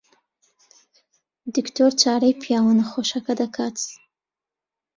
دکتۆر چارەی پیاوە نەخۆشەکە دەکات.